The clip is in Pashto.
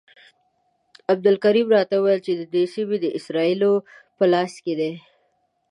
عبدالکریم راته وویل چې دا سیمې د اسرائیلو په لاس کې دي.